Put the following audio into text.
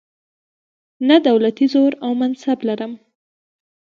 نه دولتي زور او منصب لرم.